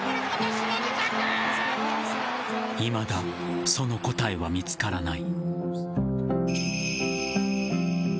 いまだその答えは見つからない。